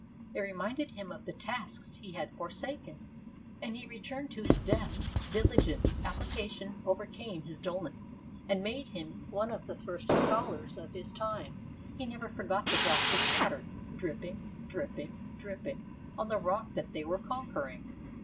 It reminded him of the tasks he had forsaken, and he returned to his desk. Diligent application overcame his dullness, and made him one of the first scholars of his time. He never forgot the drops of water, dripping, dripping, dripping on the rock that they were conquering.